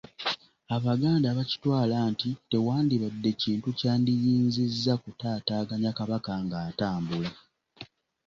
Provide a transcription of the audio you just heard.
Abaganda bakitwala nti tewandibadde kintu kyandiyinzizza kutaataaganya Kabaka ng’atambula.